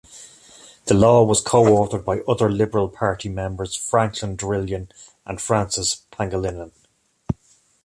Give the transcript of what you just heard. The law was co-authored by other Liberal Party members, Franklin Drilon and Francis Pangilinan.